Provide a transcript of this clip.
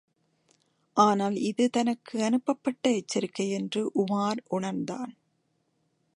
ஆனால் இது தனக்கு அனுப்பப்பட்ட எச்சரிக்கை என்று உமார் உணர்ந்தான்.